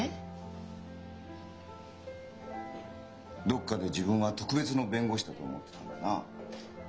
どっかで自分は特別な弁護士だと思ってたんだよな。